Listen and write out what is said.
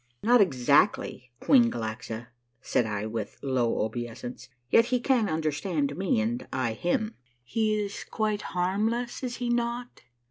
"Not exactly. Queen Galaxa," said I with low obeisance, " yet he can understand me and I him." "He is quite harmless, is he not?"